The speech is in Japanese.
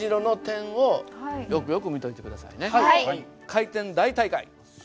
回転大大会。